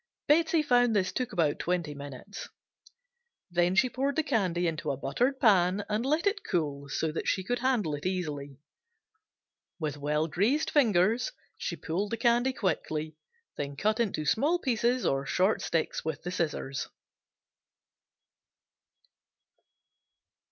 Betsey found this took about twenty minutes. Then she poured the candy into a buttered pan and let it cool so that she could handle it easily. With well greased fingers she pulled the candy quickly, then cut into small pieces or short sticks with the scissors.